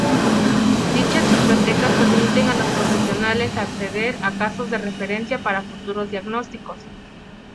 Dichas bibliotecas permiten a los profesionales acceder a casos de referencia para futuros diagnósticos.